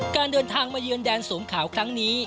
การเดินทางมาเยือนแดนสวมขาวครั้งนี้